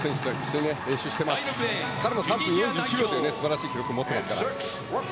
彼も３分４１秒という素晴らしい記録を持っていますから。